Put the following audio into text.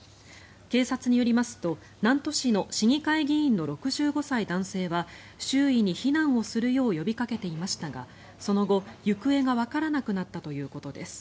警察によりますと南砺市の市議会議員の６５歳男性は周囲に避難をするよう呼びかけていましたがその後行方がわからなくなったということです。